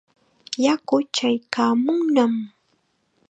Yaku chaykaamunnam.